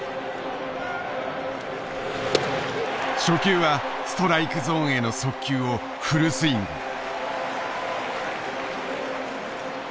初球はストライクゾーンへの速球をフルスイング。